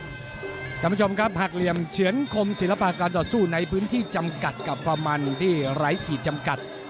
สำคัญผู้ชมครับหากเลี่ยงเฉือนคมศิลปาการต่อสู้ในพื้นที่จำกัดกับฝรั่งมันที่หลายสิทธิ์จำกัด